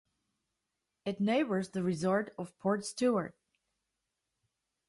It neighbours the resort of Portstewart.